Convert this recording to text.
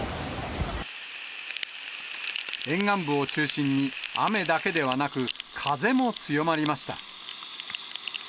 沿岸部を中心に雨だけではなく、風も強まりました。